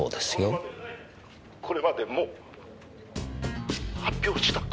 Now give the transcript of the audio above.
「これまでも発表した事」